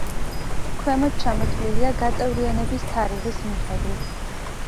ქვემოთ ჩამოთვლილია გაწევრიანების თარიღის მიხედვით.